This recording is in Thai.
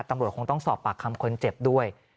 ตำรวจคงต้องสอบปากคำคนเจ็บด้วย